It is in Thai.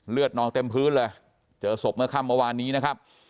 นองเต็มพื้นเลยเจอศพเมื่อค่ำเมื่อวานนี้นะครับ